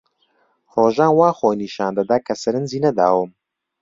ڕۆژان وا خۆی نیشان دەدا کە سەرنجی نەداوم.